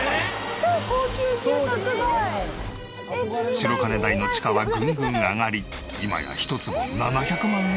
白金台の地価はぐんぐん上がり今や１坪７００万円以上。